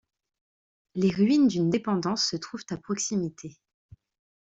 Les ruines d'une dépendance se trouvent à proximité.